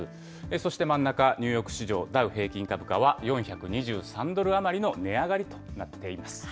そして真ん中、ニューヨーク市場、ダウ平均株価は４２３ドル余りの値上がりとなっています。